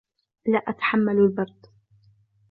لا أتحمل البرد.